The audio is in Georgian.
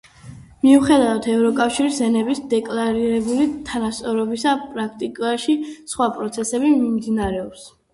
მიუხედავად ევროკავშირის ენების დეკლარირებული თანასწორობისა, პრაქტიკაში სხვა პროცესები მიმდინარეობს.